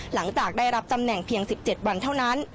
หลังจากได้รับตำแหน่งเพียง๑๗วันเท่านั้น